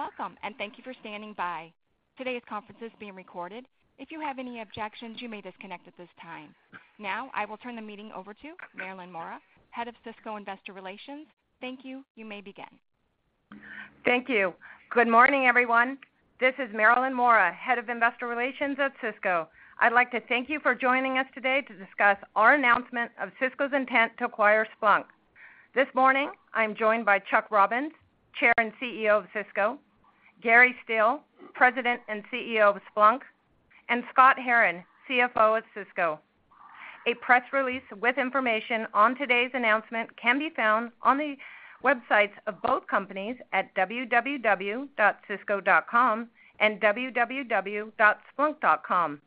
Welcome, and thank you for standing by. Today's conference is being recorded. If you have any objections, you may disconnect at this time. Now, I will turn the meeting over to Marilyn Mora, Head of Cisco Investor Relations. Thank you. You may begin. Thank you. Good morning, everyone. This is Marilyn Mora, Head of Investor Relations at Cisco. I'd like to thank you for joining us today to discuss our announcement of Cisco's intent to acquire Splunk. This morning, I'm joined by Chuck Robbins, Chair and CEO of Cisco, Gary Steele, President and CEO of Splunk, and Scott Herren, CFO of Cisco. A press release with information on today's announcement can be found on the websites of both companies at www.cisco.com and www.splunk.com.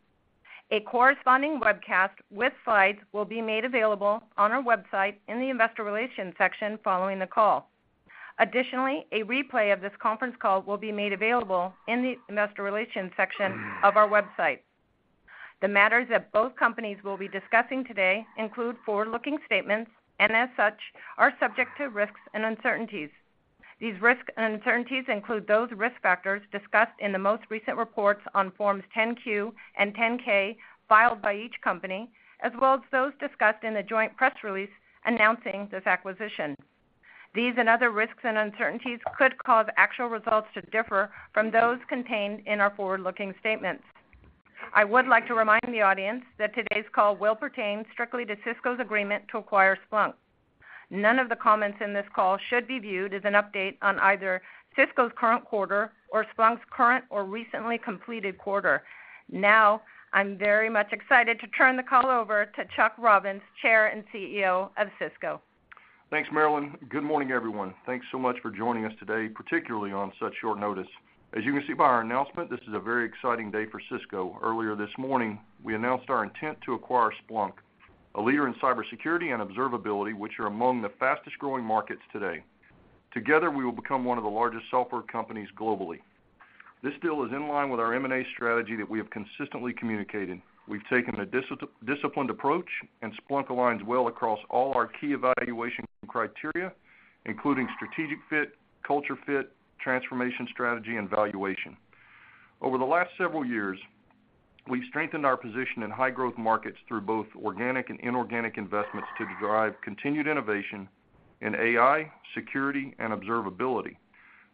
A corresponding webcast with slides will be made available on our website in the Investor Relations section following the call. Additionally, a replay of this conference call will be made available in the Investor Relations section of our website. The matters that both companies will be discussing today include forward-looking statements and as such, are subject to risks and uncertainties. These risks and uncertainties include those risk factors discussed in the most recent reports on Forms 10-Q and 10-K filed by each company, as well as those discussed in the joint press release announcing this acquisition. These and other risks and uncertainties could cause actual results to differ from those contained in our forward-looking statements. I would like to remind the audience that today's call will pertain strictly to Cisco's agreement to acquire Splunk. None of the comments in this call should be viewed as an update on either Cisco's current quarter or Splunk's current or recently completed quarter. Now, I'm very much excited to turn the call over to Chuck Robbins, Chair and CEO of Cisco. Thanks, Marilyn. Good morning, everyone. Thanks so much for joining us today, particularly on such short notice. As you can see by our announcement, this is a very exciting day for Cisco. Earlier this morning, we announced our intent to acquire Splunk, a leader in cybersecurity and observability, which are among the fastest-growing markets today. Together, we will become one of the largest software companies globally. This deal is in line with our M&A strategy that we have consistently communicated. We've taken a disciplined approach, and Splunk aligns well across all our key evaluation criteria, including strategic fit, culture fit, transformation strategy, and valuation. Over the last several years, we've strengthened our position in high-growth markets through both organic and inorganic investments to drive continued innovation in AI, security, and observability.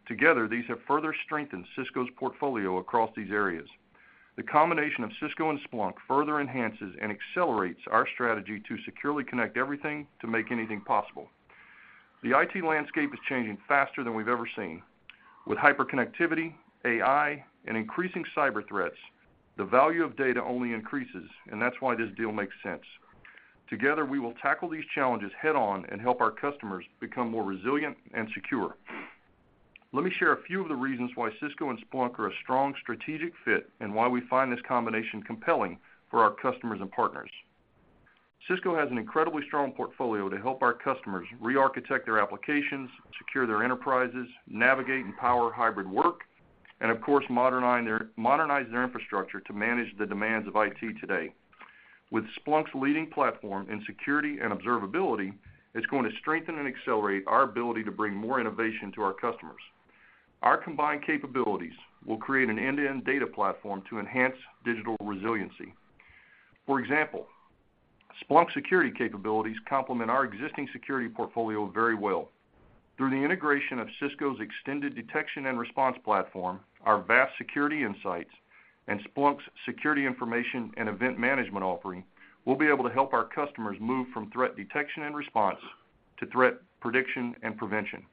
Together, these have further strengthened Cisco's portfolio across these areas. The combination of Cisco and Splunk further enhances and accelerates our strategy to securely connect everything, to make anything possible. The IT landscape is changing faster than we've ever seen. With hyperconnectivity, AI, and increasing cyber threats, the value of data only increases, and that's why this deal makes sense. Together, we will tackle these challenges head-on and help our customers become more resilient and secure. Let me share a few of the reasons why Cisco and Splunk are a strong strategic fit and why we find this combination compelling for our customers and partners. Cisco has an incredibly strong portfolio to help our customers rearchitect their applications, secure their enterprises, navigate and power hybrid work, and of course, modernize their infrastructure to manage the demands of IT today. With Splunk's leading platform in security and observability, it's going to strengthen and accelerate our ability to bring more innovation to our customers. Our combined capabilities will create an end-to-end data platform to enhance digital resiliency. For example, Splunk security capabilities complement our existing security portfolio very well. Through the integration of Cisco's extended detection and response platform, our vast security insights, and Splunk's security information and event management offering, we'll be able to help our customers move from threat detection and response to threat prediction and prevention.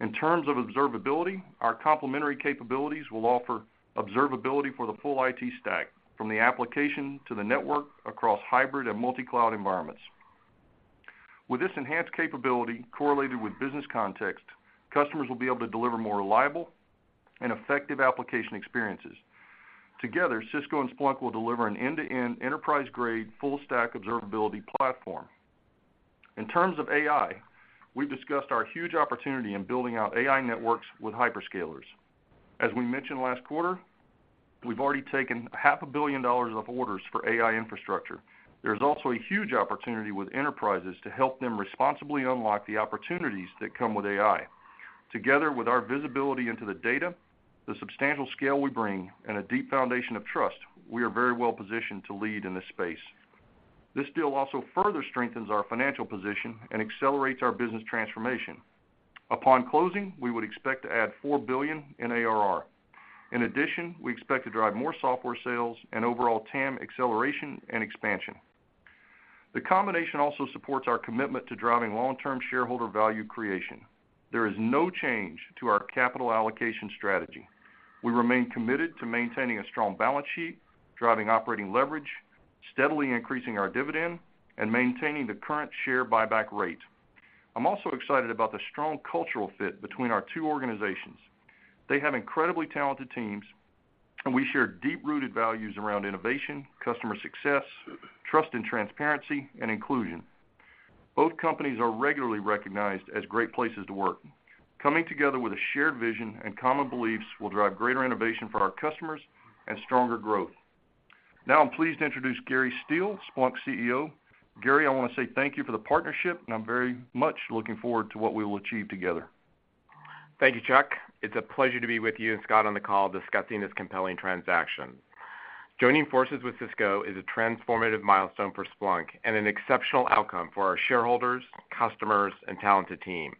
In terms of observability, our complementary capabilities will offer observability for the full IT stack, from the application to the network across hybrid and multi-cloud environments. With this enhanced capability correlated with business context, customers will be able to deliver more reliable and effective application experiences. Together, Cisco and Splunk will deliver an end-to-end, enterprise-grade, full-stack observability platform. In terms of AI, we've discussed our huge opportunity in building out AI networks with hyperscalers. As we mentioned last quarter, we've already taken $500 million of orders for AI infrastructure. There's also a huge opportunity with enterprises to help them responsibly unlock the opportunities that come with AI. Together, with our visibility into the data, the substantial scale we bring, and a deep foundation of trust, we are very well positioned to lead in this space. This deal also further strengthens our financial position and accelerates our business transformation. Upon closing, we would expect to add $4 billion in ARR. In addition, we expect to drive more software sales and overall TAM acceleration and expansion. The combination also supports our commitment to driving long-term shareholder value creation. There is no change to our capital allocation strategy. We remain committed to maintaining a strong balance sheet, driving operating leverage, steadily increasing our dividend, and maintaining the current share buyback rate. I'm also excited about the strong cultural fit between our two organizations. They have incredibly talented teams, and we share deep-rooted values around innovation, customer success, trust and transparency, and inclusion. Both companies are regularly recognized as great places to work. Coming together with a shared vision and common beliefs will drive greater innovation for our customers and stronger growth. ... Now I'm pleased to introduce Gary Steele, Splunk's CEO. Gary, I want to say thank you for the partnership, and I'm very much looking forward to what we will achieve together. Thank you, Chuck. It's a pleasure to be with you and Scott on the call discussing this compelling transaction. Joining forces with Cisco is a transformative milestone for Splunk and an exceptional outcome for our shareholders, customers, and talented team.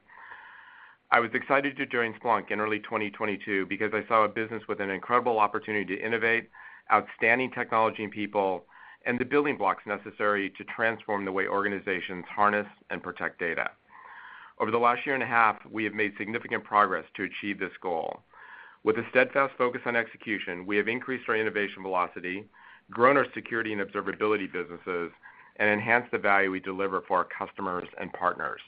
I was excited to join Splunk in early 2022 because I saw a business with an incredible opportunity to innovate, outstanding technology and people, and the building blocks necessary to transform the way organizations harness and protect data. Over the last year and a half, we have made significant progress to achieve this goal. With a steadfast focus on execution, we have increased our innovation velocity, grown our security and observability businesses, and enhanced the value we deliver for our customers and partners.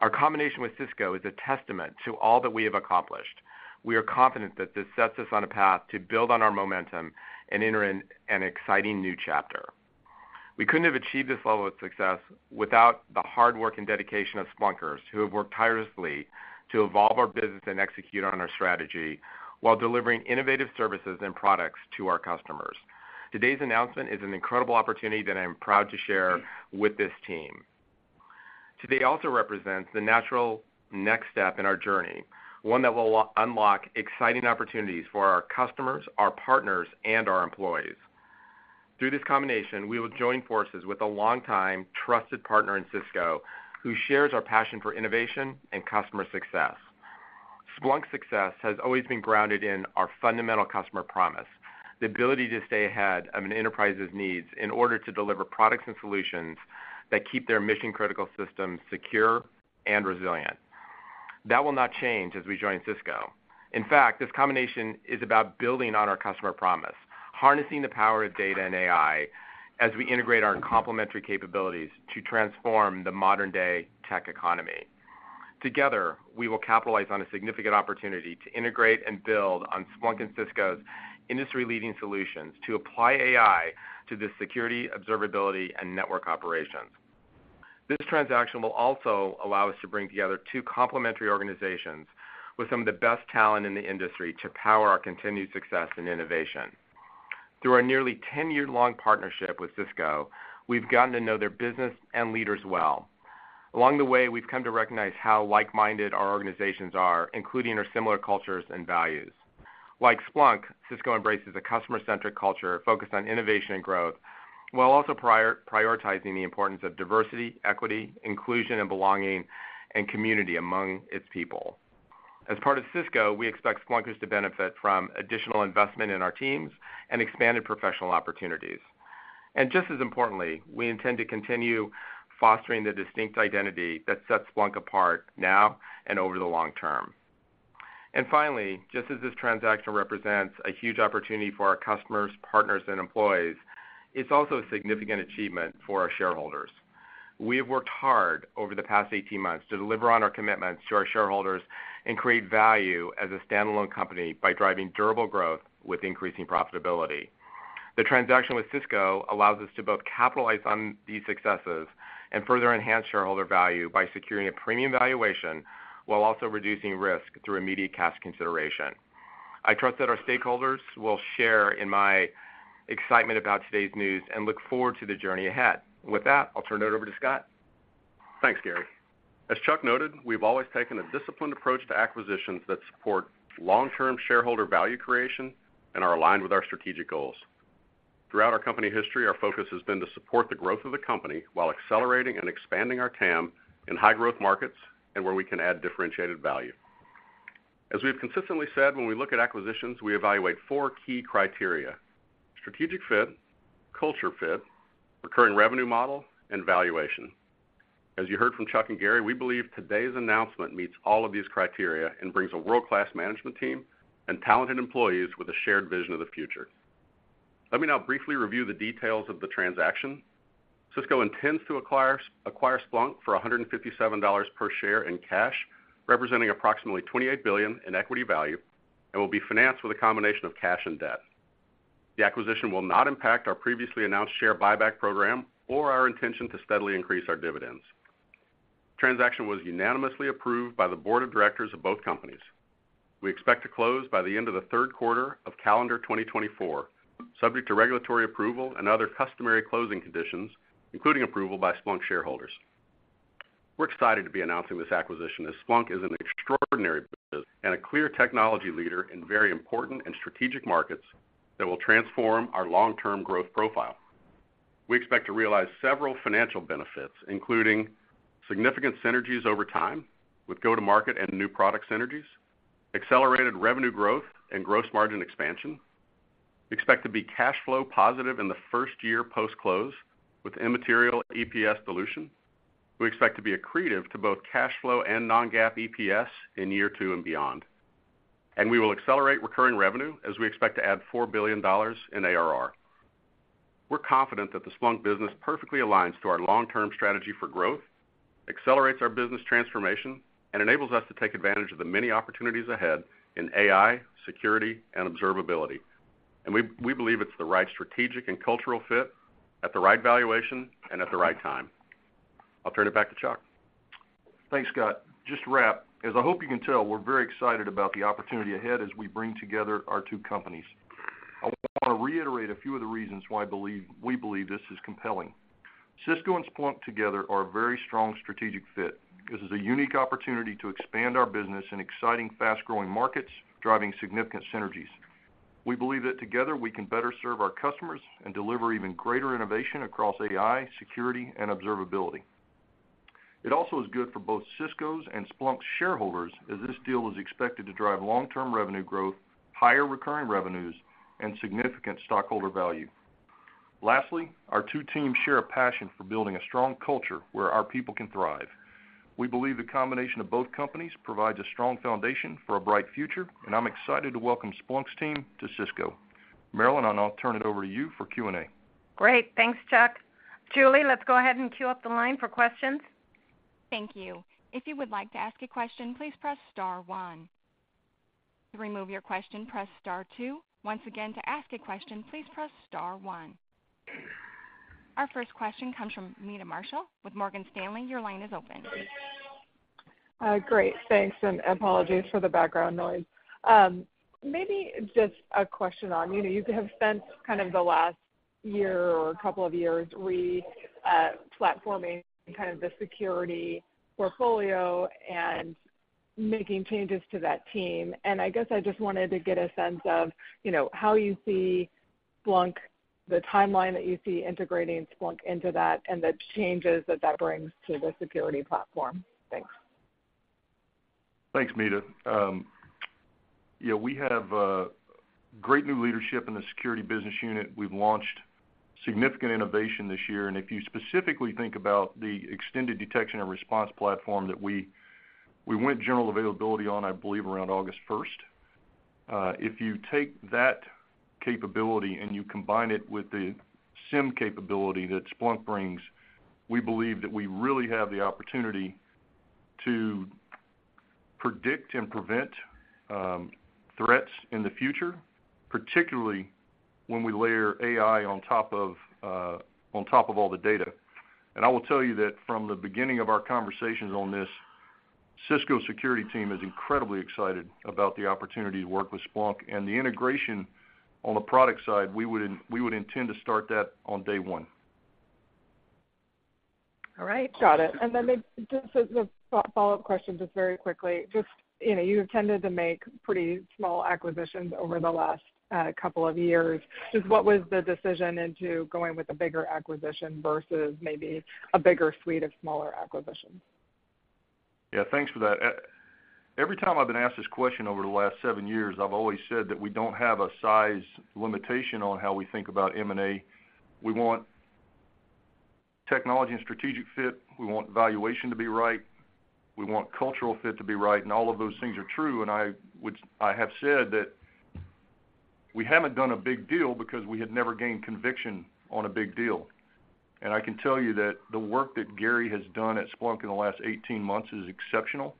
Our combination with Cisco is a testament to all that we have accomplished. We are confident that this sets us on a path to build on our momentum and enter an exciting new chapter. We couldn't have achieved this level of success without the hard work and dedication of Splunkers, who have worked tirelessly to evolve our business and execute on our strategy, while delivering innovative services and products to our customers. Today's announcement is an incredible opportunity that I'm proud to share with this team. Today also represents the natural next step in our journey, one that will unlock exciting opportunities for our customers, our partners, and our employees. Through this combination, we will join forces with a long-time trusted partner in Cisco, who shares our passion for innovation and customer success. Splunk's success has always been grounded in our fundamental customer promise, the ability to stay ahead of an enterprise's needs in order to deliver products and solutions that keep their mission-critical systems secure and resilient. That will not change as we join Cisco. In fact, this combination is about building on our customer promise, harnessing the power of data and AI as we integrate our complementary capabilities to transform the modern-day tech economy. Together, we will capitalize on a significant opportunity to integrate and build on Splunk and Cisco's industry-leading solutions to apply AI to the security, observability, and network operations. This transaction will also allow us to bring together two complementary organizations with some of the best talent in the industry to power our continued success and innovation. Through our nearly 10-year-long partnership with Cisco, we've gotten to know their business and leaders well. Along the way, we've come to recognize how like-minded our organizations are, including our similar cultures and values. Like Splunk, Cisco embraces a customer-centric culture focused on innovation and growth, while also prior-prioritizing the importance of diversity, equity, inclusion, and belonging, and community among its people. As part of Cisco, we expect Splunkers to benefit from additional investment in our teams and expanded professional opportunities. And just as importantly, we intend to continue fostering the distinct identity that sets Splunk apart now and over the long term. And finally, just as this transaction represents a huge opportunity for our customers, partners, and employees, it's also a significant achievement for our shareholders. We have worked hard over the past 18 months to deliver on our commitments to our shareholders and create value as a standalone company by driving durable growth with increasing profitability. The transaction with Cisco allows us to both capitalize on these successes and further enhance shareholder value by securing a premium valuation while also reducing risk through immediate cash consideration. I trust that our stakeholders will share in my excitement about today's news and look forward to the journey ahead. With that, I'll turn it over to Scott. Thanks, Gary. As Chuck noted, we've always taken a disciplined approach to acquisitions that support long-term shareholder value creation and are aligned with our strategic goals. Throughout our company history, our focus has been to support the growth of the company while accelerating and expanding our TAM in high-growth markets and where we can add differentiated value. As we've consistently said, when we look at acquisitions, we evaluate four key criteria: strategic fit, culture fit, recurring revenue model, and valuation. As you heard from Chuck and Gary, we believe today's announcement meets all of these criteria and brings a world-class management team and talented employees with a shared vision of the future. Let me now briefly review the details of the transaction. Cisco intends to acquire Splunk for $157 per share in cash, representing approximately $28 billion in equity value, and will be financed with a combination of cash and debt. The acquisition will not impact our previously announced share buyback program or our intention to steadily increase our dividends. The transaction was unanimously approved by the board of directors of both companies. We expect to close by the end of the Q3 of calendar 2024, subject to regulatory approval and other customary closing conditions, including approval by Splunk shareholders. We're excited to be announcing this acquisition, as Splunk is an extraordinary business and a clear technology leader in very important and strategic markets that will transform our long-term growth profile. We expect to realize several financial benefits, including significant synergies over time with go-to-market and new product synergies, accelerated revenue growth and gross margin expansion. We expect to be cash flow positive in the first year post-close with immaterial EPS dilution. We expect to be accretive to both cash flow and non-GAAP EPS in year 2 and beyond. And we will accelerate recurring revenue as we expect to add $4 billion in ARR. We're confident that the Splunk business perfectly aligns to our long-term strategy for growth, accelerates our business transformation, and enables us to take advantage of the many opportunities ahead in AI, security, and observability. And we, we believe it's the right strategic and cultural fit at the right valuation and at the right time. I'll turn it back to Chuck.... Thanks, Scott. Just to wrap, as I hope you can tell, we're very excited about the opportunity ahead as we bring together our two companies. I want to reiterate a few of the reasons why I believe, we believe this is compelling. Cisco and Splunk together are a very strong strategic fit. This is a unique opportunity to expand our business in exciting, fast-growing markets, driving significant synergies. We believe that together, we can better serve our customers and deliver even greater innovation across AI, security, and observability. It also is good for both Cisco's and Splunk's shareholders, as this deal is expected to drive long-term revenue growth, higher recurring revenues, and significant stockholder value. Lastly, our two teams share a passion for building a strong culture where our people can thrive. We believe the combination of both companies provides a strong foundation for a bright future, and I'm excited to welcome Splunk's team to Cisco. Marilyn, and I'll turn it over to you for Q&A. Great. Thanks, Chuck. Julie, let's go ahead and queue up the line for questions. Thank you. If you would like to ask a question, please press star one. To remove your question, press star two. Once again, to ask a question, please press star one. Our first question comes from Meta Marshall with Morgan Stanley. Your line is open. Great, thanks, and apologies for the background noise. Maybe just a question on, you know, you have spent kind of the last year or couple of years re-platforming kind of the security portfolio and making changes to that team. I guess I just wanted to get a sense of, you know, how you see Splunk, the timeline that you see integrating Splunk into that, and the changes that that brings to the security platform. Thanks. Thanks, Meta. Yeah, we have great new leadership in the security business unit. We've launched significant innovation this year, and if you specifically think about the extended detection and response platform that we went general availability on, I believe, around August 1. If you take that capability and you combine it with the SIEM capability that Splunk brings, we believe that we really have the opportunity to predict and prevent threats in the future, particularly when we layer AI on top of all the data. I will tell you that from the beginning of our conversations on this, Cisco security team is incredibly excited about the opportunity to work with Splunk. The integration on the product side, we would intend to start that on day one. All right, got it. And then maybe just as a follow-up question, just very quickly, just, you know, you've tended to make pretty small acquisitions over the last, couple of years. Just what was the decision into going with a bigger acquisition versus maybe a bigger suite of smaller acquisitions? Yeah, thanks for that. Every time I've been asked this question over the last seven years, I've always said that we don't have a size limitation on how we think about M&A. We want technology and strategic fit, we want valuation to be right, we want cultural fit to be right, and all of those things are true. And I have said that we haven't done a big deal because we had never gained conviction on a big deal. And I can tell you that the work that Gary has done at Splunk in the last 18 months is exceptional.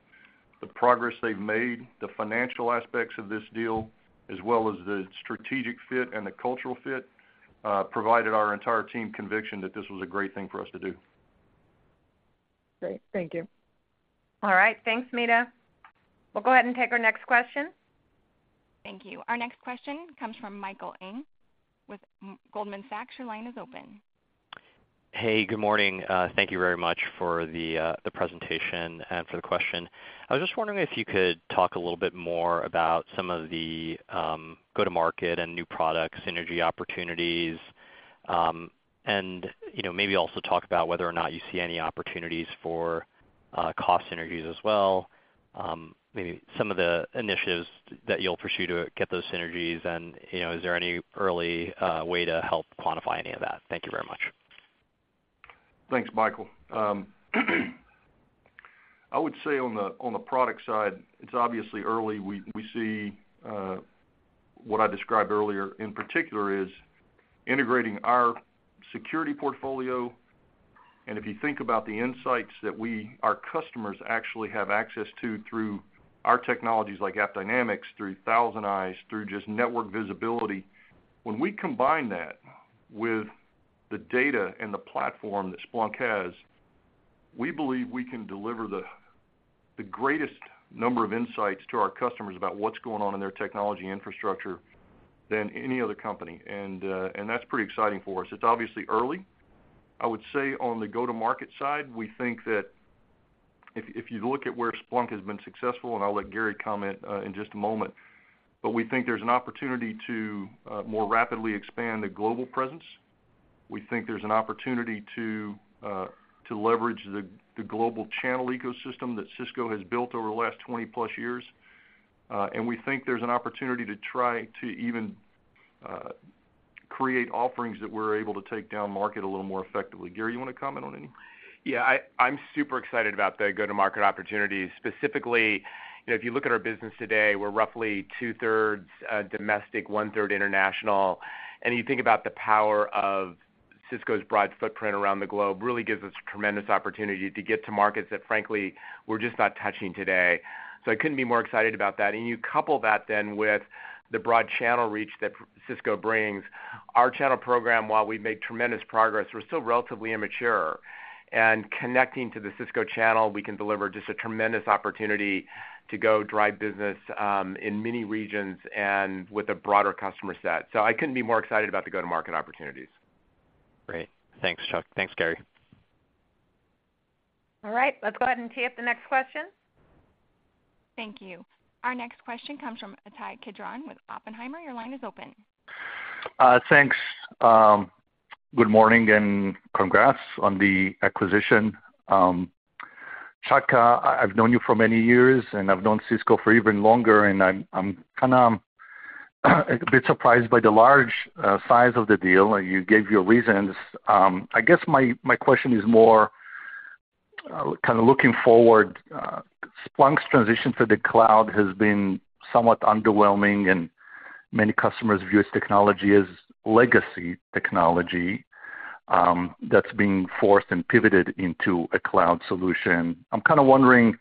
The progress they've made, the financial aspects of this deal, as well as the strategic fit and the cultural fit, provided our entire team conviction that this was a great thing for us to do. Great. Thank you. All right. Thanks, Meta. We'll go ahead and take our next question. Thank you. Our next question comes from Michael Ng with Goldman Sachs. Your line is open. Hey, good morning. Thank you very much for the presentation and for the question. I was just wondering if you could talk a little bit more about some of the go-to-market and new product synergy opportunities. And, you know, maybe also talk about whether or not you see any opportunities for cost synergies as well. Maybe some of the initiatives that you'll pursue to get those synergies and, you know, is there any early way to help quantify any of that? Thank you very much. Thanks, Michael. I would say on the product side, it's obviously early. We see what I described earlier, in particular is integrating our security portfolio. And if you think about the insights that our customers actually have access to through our technologies, like AppDynamics, through ThousandEyes, through just network visibility. When we combine that with the data and the platform that Splunk has, we believe we can deliver the greatest number of insights to our customers about what's going on in their technology infrastructure than any other company, and that's pretty exciting for us. It's obviously early. I would say on the go-to-market side, we think that if you look at where Splunk has been successful, and I'll let Gary comment in just a moment, but we think there's an opportunity to more rapidly expand the global presence. We think there's an opportunity to leverage the global channel ecosystem that Cisco has built over the last 20+ years. And we think there's an opportunity to try to even create offerings that we're able to take down market a little more effectively. Gary, you want to comment on any. Yeah, I, I'm super excited about the go-to-market opportunity. Specifically, you know, if you look at our business today, we're roughly two-thirds domestic, one-third international. You think about the power of Cisco's broad footprint around the globe, really gives us tremendous opportunity to get to markets that, frankly, we're just not touching today. I couldn't be more excited about that. You couple that then with the broad channel reach that Cisco brings... our channel program, while we've made tremendous progress, we're still relatively immature. Connecting to the Cisco channel, we can deliver just a tremendous opportunity to go drive business in many regions and with a broader customer set. I couldn't be more excited about the go-to-market opportunities. Great. Thanks, Chuck. Thanks, Gary. All right, let's go ahead and tee up the next question. Thank you. Our next question comes from Ittai Kidron with Oppenheimer. Your line is open. Thanks. Good morning, and congrats on the acquisition. Chuck, I've known you for many years, and I've known Cisco for even longer, and I'm kind of, a bit surprised by the large size of the deal, and you gave your reasons. I guess my question is more, kind of looking forward. Splunk's transition to the cloud has been somewhat underwhelming, and many customers view its technology as legacy technology, that's being forced and pivoted into a cloud solution. I'm kind of wondering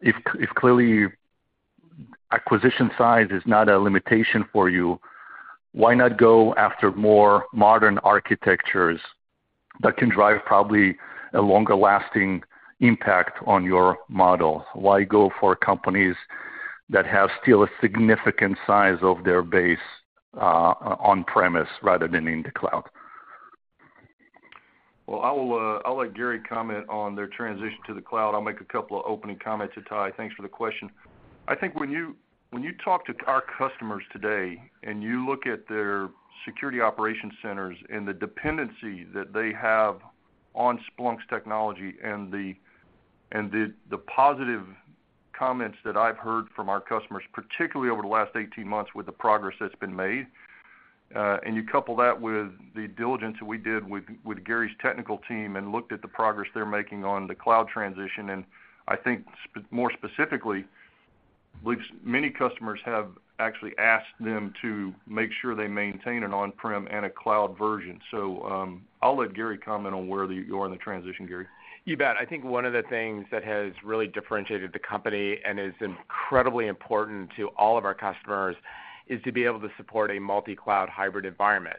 if, if clearly acquisition size is not a limitation for you, why not go after more modern architectures that can drive probably a longer lasting impact on your model? Why go for companies that have still a significant size of their base, on premise rather than in the cloud? Well, I will, I'll let Gary comment on their transition to the cloud. I'll make a couple of opening comments, Ittai. Thanks for the question. I think when you, when you talk to our customers today, and you look at their security operation centers and the dependency that they have on Splunk's technology, and the positive comments that I've heard from our customers, particularly over the last 18 months with the progress that's been made, and you couple that with the diligence that we did with Gary's technical team and looked at the progress they're making on the cloud transition, and I think more specifically, believe many customers have actually asked them to make sure they maintain an on-prem and a cloud version. So, I'll let Gary comment on where you are in the transition, Gary. You bet. I think one of the things that has really differentiated the company and is incredibly important to all of our customers is to be able to support a multi-cloud hybrid environment.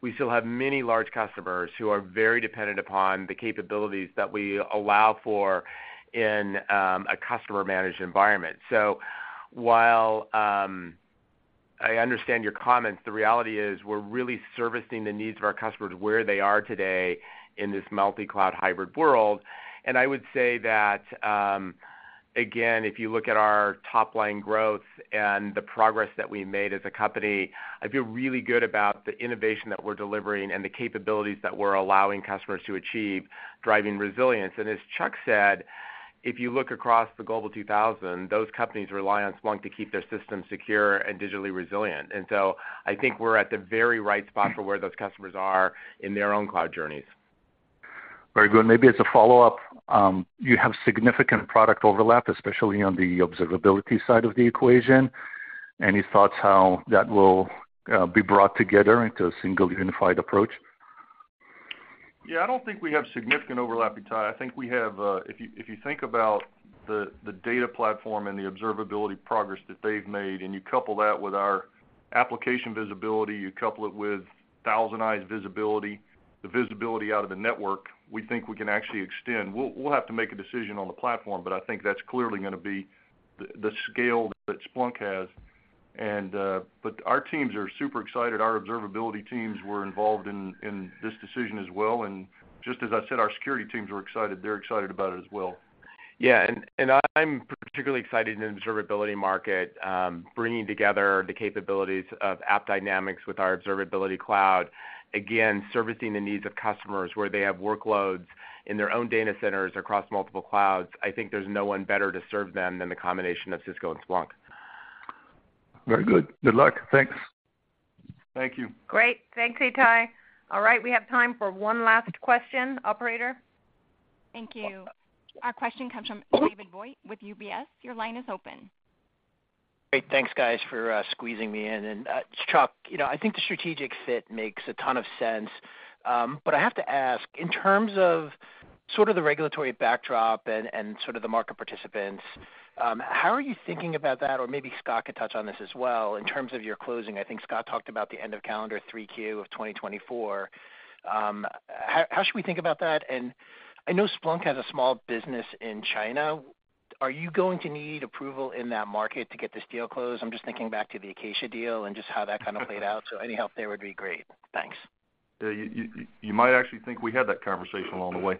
We still have many large customers who are very dependent upon the capabilities that we allow for in a customer-managed environment. So, while I understand your comments, the reality is we're really servicing the needs of our customers where they are today in this multi-cloud hybrid world. And I would say that again, if you look at our top-line growth and the progress that we made as a company, I feel really good about the innovation that we're delivering and the capabilities that we're allowing customers to achieve, driving resilience. As Chuck said, if you look across the Global 2000, those companies rely on Splunk to keep their systems secure and digitally resilient. So, I think we're at the very right spot for where those customers are in their own cloud journeys. Very good. Maybe as a follow-up, you have significant product overlap, especially on the observability side of the equation. Any thoughts how that will be brought together into a single unified approach? Yeah, I don't think we have significant overlap, Ittai. I think we have, if you, if you think about the, the data platform and the observability progress that they've made, and you couple that with our application visibility, you couple it with ThousandEyes visibility, the visibility out of the network, we think we can actually extend. We'll, we'll have to make a decision on the platform, but I think that's clearly gonna be the, the scale that Splunk has. And, but our teams are super excited. Our observability teams were involved in, in this decision as well, and just as I said, our security teams were excited. They're excited about it as well. Yeah, and I'm particularly excited in the observability market, bringing together the capabilities of AppDynamics with our Observability Cloud. Again, servicing the needs of customers where they have workloads in their own data centers across multiple clouds, I think there's no one better to serve them than the combination of Cisco and Splunk. Very good. Good luck. Thanks. Thank you. Great. Thanks, Ittai. All right, we have time for one last question. Operator? Thank you. Our question comes from David Vogt with UBS. Your line is open. Great. Thanks, guys, for squeezing me in. And, Chuck, you know, I think the strategic fit makes a ton of sense. But I have to ask, in terms of sort of the regulatory backdrop and sort of the market participants, how are you thinking about that? Or maybe Scott could touch on this as well, in terms of your closing. I think Scott talked about the end of calendar 3Q 2024. How should we think about that? And I know Splunk has a small business in China. Are you going to need approval in that market to get this deal closed? I'm just thinking back to the Acacia deal and just how that kind of played out. So, any help there would be great. Thanks. You might actually think we had that conversation along the way.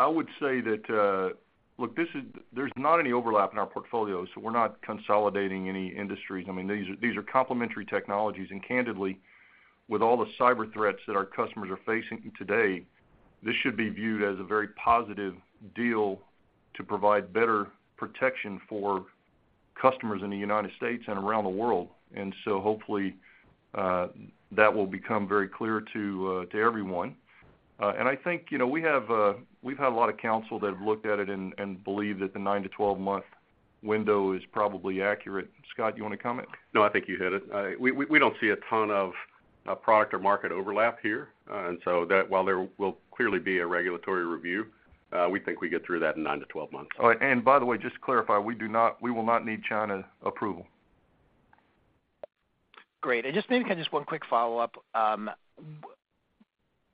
I would say that, look, this is-- there's not any overlap in our portfolio, so we're not consolidating any industries. I mean, these are complementary technologies, and candidly, with all the cyber threats that our customers are facing today, this should be viewed as a very positive deal to provide better protection for customers in the United States and around the world. Hopefully, that will become very clear to everyone. I think, you know, we have, we've had a lot of counsel that have looked at it and believe that the 9–12-month window is probably accurate. Scott, you want to comment. No, I think you hit it. We don't see a ton of product or market overlap here. And so that while there will clearly be a regulatory review, we think we get through that in 9-12 months. Oh, and by the way, just to clarify, we will not need China approval. Great. And just maybe kind of just one quick follow-up.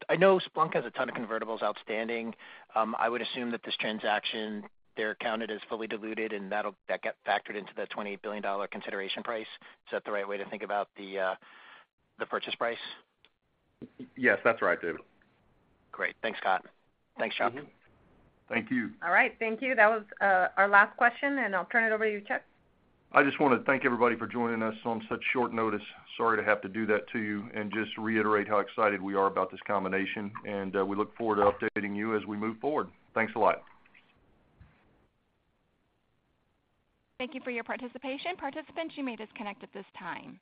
I know Splunk has a ton of convertibles outstanding. I would assume that this transaction, they're counted as fully diluted, and that'll get factored into the $28 billion consideration price. Is that the right way to think about the purchase price? Yes, that's right, David. Great. Thanks, Scott. Thanks, Chuck. Thank you. All right, thank you. That was our last question, and I'll turn it over to you, Chuck. I just wanna thank everybody for joining us on such short notice. Sorry to have to do that to you. And just reiterate how excited we are about this combination, and we look forward to updating you as we move forward. Thanks a lot. Thank you for your participation. Participants, you may disconnect at this time.